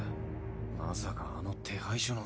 まさかあの手配書の。